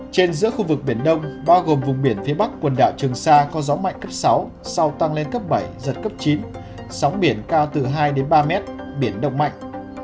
trên giữa khu vực biển đông bao gồm vùng biển phía bắc quần đảo trường sa có gió mạnh cấp sáu sau tăng lên cấp bảy giật cấp chín sóng biển cao từ hai đến ba mét biển động mạnh